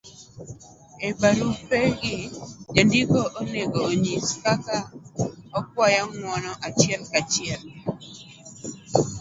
e barupe gi, jandiko onego nyis kaka okwayo ng'uono achiel ka chiel,